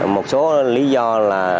một số lý do là